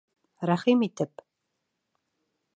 Рәхим итеп!